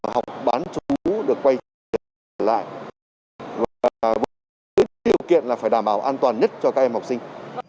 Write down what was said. học ban chú được quay trở lại và đối với điều kiện là phải đảm bảo an toàn nhất cho các em học sinh